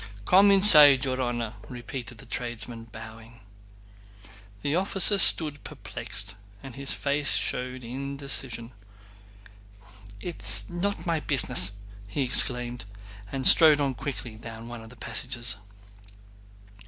'" "Come inside, your honor!" repeated the tradesman, bowing. The officer stood perplexed and his face showed indecision. "It's not my business!" he exclaimed, and strode on quickly down one of the passages.